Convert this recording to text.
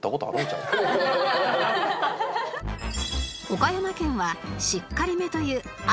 岡山県はしっかりめという朝日